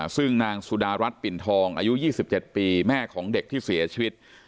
ซึ่งนางสุดารัฐปิ่นทองอายุ๒๗ปีแม่ของเด็กที่เสียชีวิต